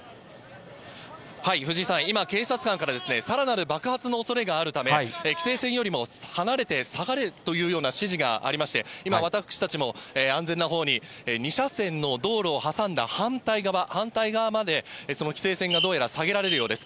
藤井さん、今、警察官からさらなる爆発のおそれがあるため、規制線よりも離れて下がれというような指示がありまして、今、私たちも安全なほうに２車線の道路を挟んだ反対側、反対側まで、その規制線がどうやら下げられるようです。